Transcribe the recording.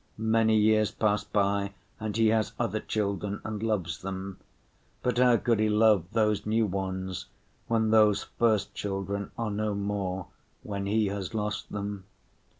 Many years pass by, and he has other children and loves them. But how could he love those new ones when those first children are no more, when he has lost them?